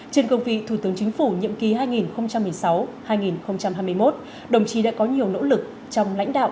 trên cương vị thủ tướng chính phủ nhiệm kỳ hai nghìn một mươi sáu hai nghìn hai mươi một đồng chí đã có nhiều nỗ lực trong lãnh đạo